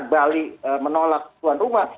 bali menolak tuan rumah